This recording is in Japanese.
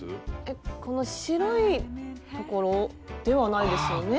えっこの白い所ではないですよね？